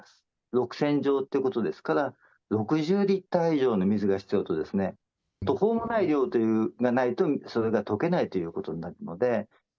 ６０００錠ということですから、６０リッター以上の水が必要と、途方もない量がないと、それが溶けないということになるので。